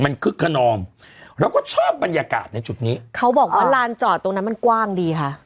มันคึกขนองแล้วก็ชอบบรรยากาศในจุดนี้เขาบอกว่าลานจอดตรงนั้นมันกว้างดีค่ะ